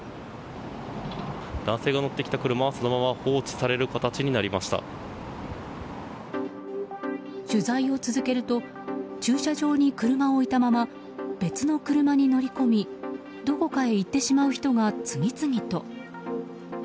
男性が乗ってきた車はそのまま放置される形に取材を続けると駐車場に車を置いたまま別の車に乗り込みどこかへ行ってしまう人が次々と。